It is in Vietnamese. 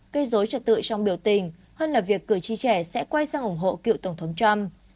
gây dối trật tự trong biểu tình hơn là việc cử tri trẻ sẽ quay sang ủng hộ cựu tổng thống trump